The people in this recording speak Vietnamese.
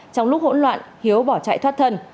trong lúc hỗn loạn hiếu bỏ chạy thoát thân